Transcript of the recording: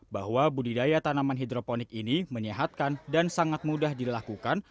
bahwa budidaya tanaman hidroponik ini menyehatkan dan sangat mudah dilakukan